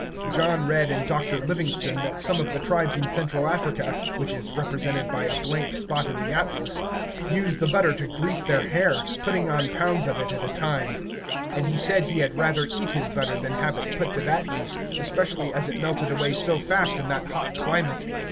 John read in Dr. Livingstone that some of the tribes in Central Africa (which is represented by a blank spot in the atlas) use the butter to grease their hair, putting on pounds of it at a time; and he said he had rather eat his butter than have it put to that use, especially as it melted away so fast in that hot climate.